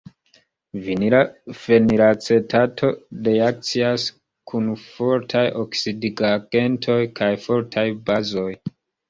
Vinila fenilacetato reakcias kun fortaj oksidigagentoj kaj fortaj bazoj.